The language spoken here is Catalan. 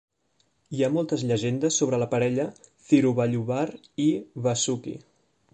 Hi ha moltes llegendes sobre la parella Thiruvalluvar i Vaasuki.